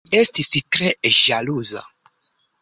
Mi estis tre ĵaluza!